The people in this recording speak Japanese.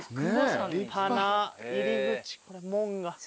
立派な入り口門が。